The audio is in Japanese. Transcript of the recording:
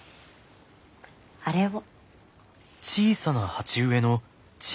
あれを。